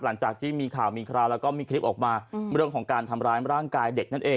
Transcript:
หลังจากที่มีข่าวมีคราวแล้วก็มีคลิปออกมาเรื่องของการทำร้ายร่างกายเด็กนั่นเอง